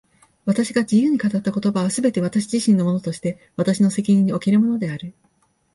私が自由に語った言葉は、すべて私自身のものとして私の責任におけるものである。